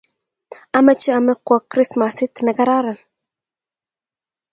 Ameche amekwok krismasit ne kararan